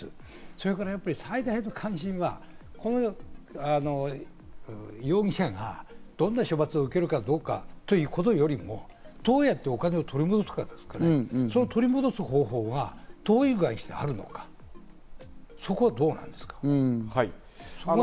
それから最大の関心は、この容疑者がどんな処罰を受けるかどうかということよりも、どうやってお金を取り戻すか、その取り戻す方法はどういうものがあるのか、ここはどうなんですか？